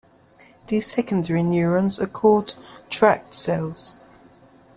These secondary neurons are called "tract cells".